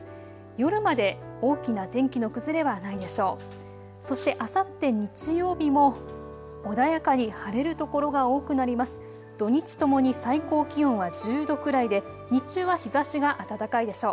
夜まで大きな天気の崩れはないでしょう。